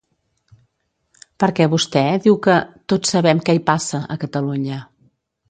Perquè vostè diu que ‘tots sabem què hi passa, a Catalunya’.